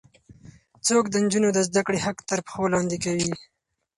څوک د نجونو د زده کړې حق تر پښو لاندې کوي؟